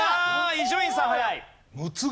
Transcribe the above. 伊集院さん早い。